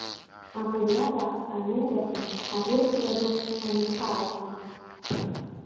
Агәырҩа бааԥс аниоулаки агәырӷьара ду аниҭаалаки.